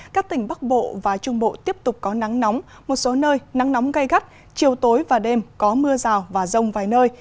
các tỉnh bắc bộ và trung bộ tiếp tục có nắng nóng một số nơi nắng nóng gây gắt chiều tối và đêm có mưa rào và rông vài nơi